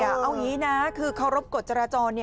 เอาอย่างนี้นะคือเคารพกฎจราจร